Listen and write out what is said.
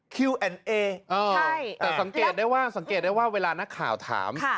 แอนเอแต่สังเกตได้ว่าสังเกตได้ว่าเวลานักข่าวถาม